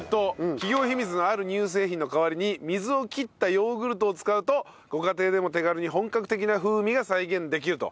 企業秘密のある乳製品の代わりに水を切ったヨーグルトを使うとご家庭でも手軽に本格的な風味が再現できると。